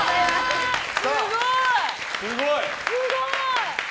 すごい！